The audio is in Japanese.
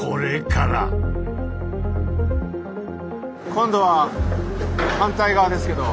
今度は反対側ですけど。